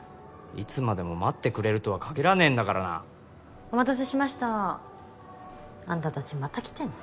いつまでも待ってくれるとは限らねえんだからなお待たせしましたあんた達また来てんの？